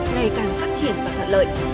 ngày càng phát triển và thuận lợi